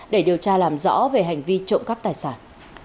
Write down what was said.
để điều tra làm rõ về hành vi lừa đảo